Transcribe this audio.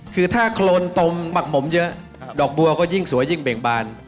คือถ้าโครนตมหมักหมมเยอะดอกบัวก็ยิ่งสวยยิ่งเบ่งบาน